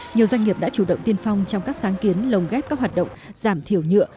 nhiều doanh nghiệp đã chủ động tiên phong trong các sáng kiến lồng ghép các hoạt động giảm thiểu nhựa